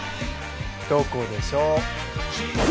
どこでしょう？